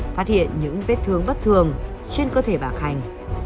phát hiện những vết thương bất thường trên cơ thể bà khanh